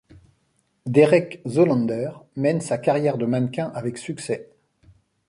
Derek Zoolander mène sa carrière de mannequin avec succès.